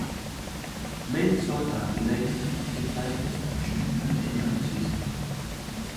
Minnesota United declined his option at the end of the season.